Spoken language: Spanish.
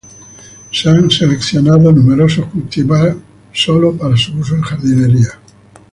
Se han seleccionado numerosos cultivares solo para su uso en jardinería.